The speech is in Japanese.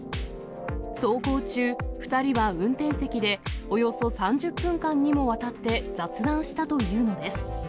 走行中、２人は運転席でおよそ３０分間にもわたって雑談したというのです。